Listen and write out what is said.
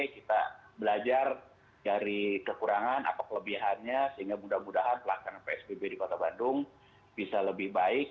kita belajar dari kekurangan atau kelebihannya sehingga mudah mudahan pelaksanaan psbb di kota bandung bisa lebih baik